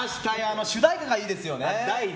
主題歌がいいですよね。